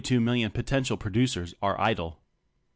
18 two million potential producers are idle.